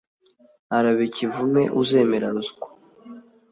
arabe ikivume uzemera ruswa